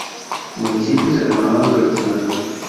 Municipios hermanados de la ciudad.